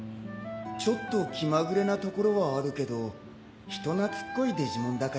ちょっと気まぐれなところはあるけど人懐っこいデジモンだからね。